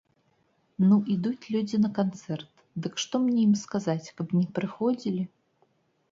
Ну, ідуць людзі на канцэрт, дык што мне ім сказаць, каб не прыходзілі?